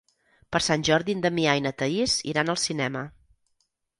Per Sant Jordi en Damià i na Thaís iran al cinema.